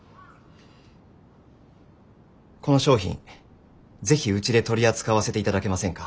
この商品是非うちで取り扱わせていただけませんか？